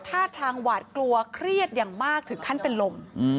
ท่าทางหวาดกลัวเครียดอย่างมากถึงขั้นเป็นลม